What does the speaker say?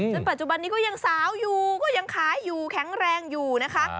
ปัจจุบันนี้ก็ยังสาวอยู่ก็ยังขายอยู่แข็งแรงอยู่นะคะ